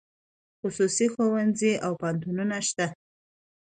خصوصي ښوونځي او پوهنتونونه شته